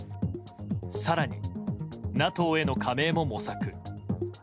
更にＮＡＴＯへの加盟も模索。